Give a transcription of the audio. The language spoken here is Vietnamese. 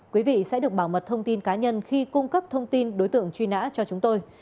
quý vị sẽ được bảo mật thông tin cá nhân khi cung cấp thông tin đối tượng truy nã cho chúng tôi